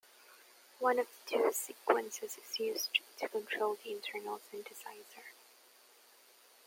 One of the two sequences is used to control the internal synthesiser.